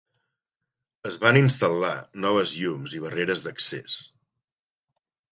Es van instal·lar noves llums i barreres d'accés.